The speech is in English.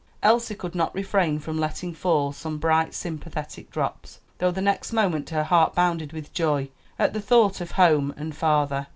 Elsie could not refrain from letting fall some bright sympathetic drops, though the next moment her heart bounded with joy at the thought of home and father.